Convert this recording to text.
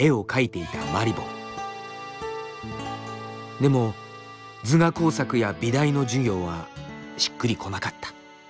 でも図画工作や美大の授業はしっくりこなかった。